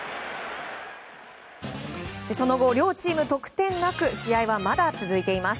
その後両チーム得点なく試合はまだ続いています。